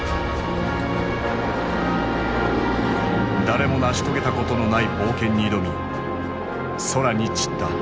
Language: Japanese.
誰も成し遂げたことのない冒険に挑み空に散った。